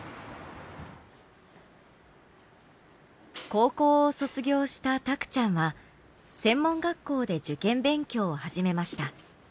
高校を卒業したたくちゃんは専門学校で受験勉強を始めました。